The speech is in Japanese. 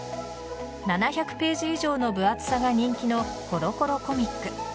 ７００ページ以上の分厚さが人気の「コロコロコミック」